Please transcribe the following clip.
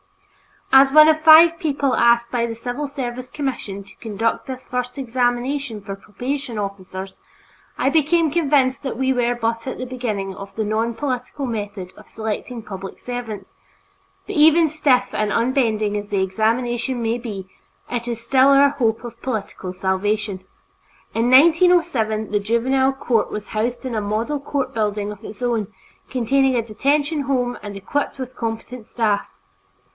As one of five people asked by the civil service commission to conduct this first examination for probation officers, I became convinced that we were but at the beginning of the nonpolitical method of selecting public servants, but even stiff and unbending as the examination may be, it is still our hope of political salvation. In 1907, the Juvenile Court was housed in a model court building of its own, containing a detention home and equipped with a competent staff.